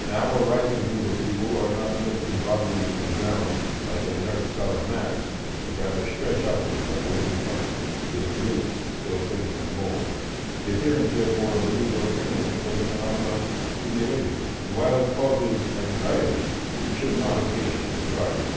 Now a rising group of people are not lifted bodily from the ground like an inert solid mass, but rather stretch upward like a living plant with its roots still clinging in the mould. The appearance, therefore, of the Negro criminal was a phenomenon to be awaited; and while it causes anxiety, it should not occasion surprise.